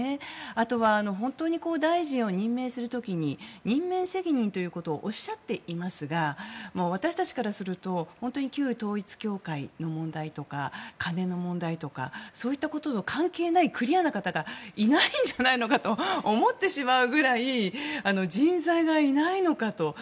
あとは本当に大臣を任命する時に任命責任ということをおっしゃっていますが私たちからすると本当に旧統一教会の問題とか金の問題とかそういったことと関係のないクリアな方がいないんじゃないのかと思ってしまうぐらい人材がいないのかと。